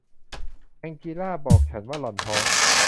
แองจีลาบอกฉันว่าหล่อนท้อง